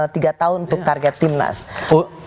tiga tahun untuk target tim nasional